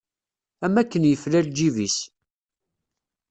Am akken yefla lǧib-is.